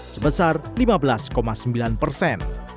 sebesar lima belas sembilan persen